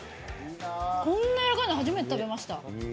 こんな柔らかいの初めて食べました。